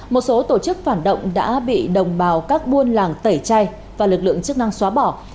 một số tổ chức phản động đã bị đồng bào các buôn làng tẩy chay và lực lượng chức năng xóa bỏ